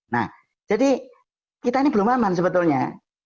nah jadi kita ini belum aman sebetulnya